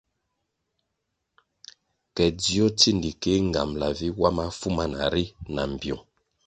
Ke dzio tsindikéh nğambala vi wa mafu mana ri na mbpiung.